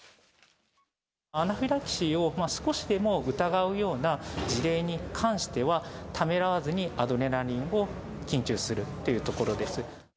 アナフィラキシーを少しでも疑うような事例に関しては、ためらわずにアドレナリンを筋注するというところです。